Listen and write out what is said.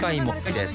です